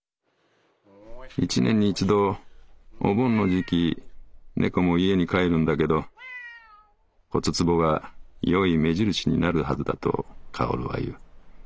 一年に一度お盆の時期猫も家に帰るんだけど骨壺が良い目印になるはずだと薫は言う。